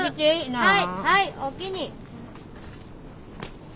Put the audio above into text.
はい。